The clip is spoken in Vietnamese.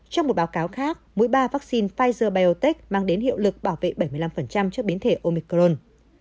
trong một báo cáo khác mũi ba vaccine pfizer biontech mang đến hiệu lực bảo vệ bảy mươi năm trước biến thể omicron